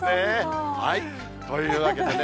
というわけでね。